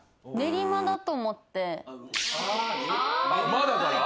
馬だから？